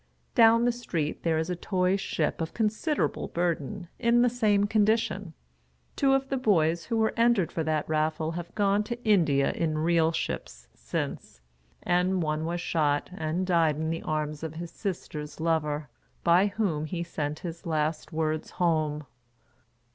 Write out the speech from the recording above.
Down the street, there is a toy ship of considerable burden, in the same condition. Two of the boys who were entered for that raffle have gone to India in real ships, since ; and one was shot, and died in the arms of his sister's lover, by whom he sent his last words home.